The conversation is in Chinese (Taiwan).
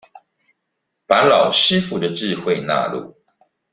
把老師傅的智慧納入